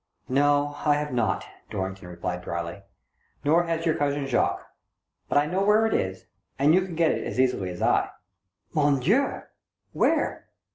"No, I have not," Dorrington replied drily. " Nor has your cousin Jacques. But I know where it is, and you can get it as easily as I." "Mo7iDieu! Where?"